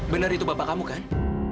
benar itu bapak kamu kan